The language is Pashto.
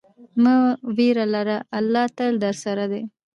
مه ویره لره، الله تل درسره دی.